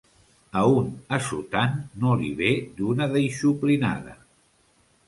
A un assotant no li ve d'una deixuplinada.